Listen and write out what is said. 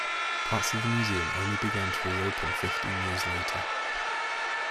Parts of the museum only began to reopen fifteen years later.